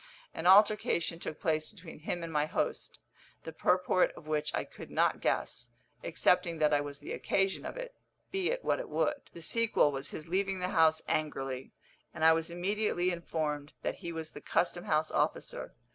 An altercation took place between him and my host, the purport of which I could not guess, excepting that I was the occasion of it, be it what it would. The sequel was his leaving the house angrily; and I was immediately informed that he was the custom house officer.